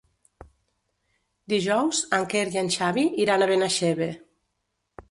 Dijous en Quer i en Xavi iran a Benaixeve.